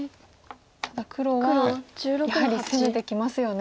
ただ黒はやはり攻めてきますよね。